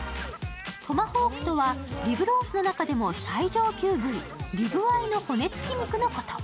トマホークとはリブロースの中でも最上級部位、リブアイの骨付き肉のこと。